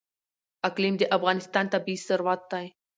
اقلیم د افغانستان طبعي ثروت دی.